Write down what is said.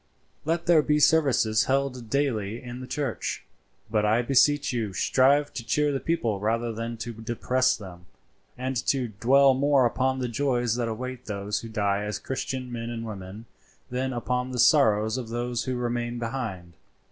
"Let there be services held daily in the church, but I beseech you strive to cheer the people rather than to depress them, and to dwell more upon the joys that await those who die as Christian men and women than upon the sorrows of those who remain behind.